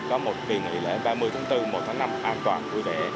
có một kỳ nghị lệ ba mươi tháng bốn một tháng năm an toàn vui vẻ